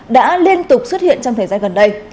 đã liên tục xuất hiện trong thời gian gần đây